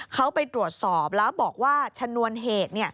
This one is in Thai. เขาไปตรวจสอบแล้วบอกว่าชนวนเหตุ